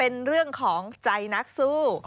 เป็นเรื่องของใจนักสู้